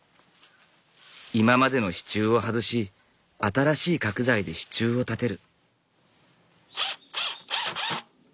今までの支柱を外し新しい角材で支柱を立てる。